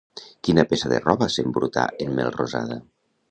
Quina peça de roba s'embrutà en Melrosada?